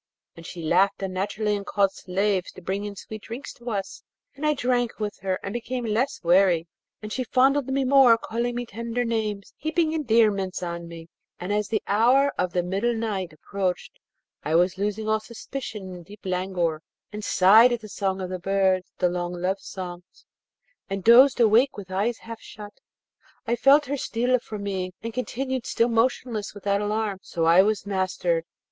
Then she laughed unnaturally, and called slaves to bring in sweet drinks to us, and I drank with her, and became less wary, and she fondled me more, calling me tender names, heaping endearments on me; and as the hour of the middle night approached I was losing all suspicion in deep languor, and sighed at the song of the birds, the long love song, and dozed awake with eyes half shut. I felt her steal from me, and continued still motionless without alarm: so was I mastered.